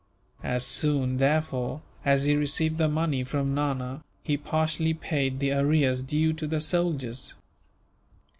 As soon, therefore, as he received the money from Nana, he partially paid the arrears due to the soldiers.